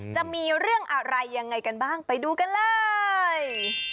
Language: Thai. จะมีเรื่องอะไรยังไงกันบ้างไปดูกันเลย